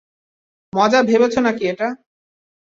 মজা ভেবেছে নাকি এটা?